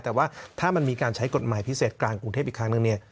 แต่ว่าถ้ามันมีการใช้กฎหมายพิเศษกลางกรุงเทพอีกครั้งนึงเนี่ย